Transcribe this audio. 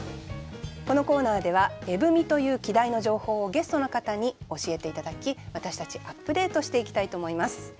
このコーナーでは「絵踏」という季題の情報をゲストの方に教えて頂き私たちアップデートしていきたいと思います。